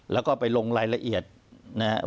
แล้วก็ไปลงรายละเอียดนะครับ